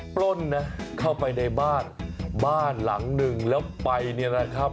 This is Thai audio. ปล้นนะเข้าไปในบ้านบ้านหลังหนึ่งแล้วไปเนี่ยนะครับ